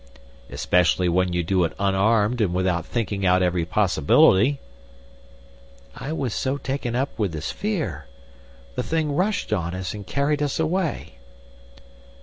"Especially when you do it unarmed and without thinking out every possibility." "I was so taken up with the sphere. The thing rushed on us, and carried us away."